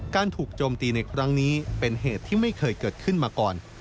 ถูกโจมตีในครั้งนี้เป็นเหตุที่ไม่เคยเกิดขึ้นมาก่อน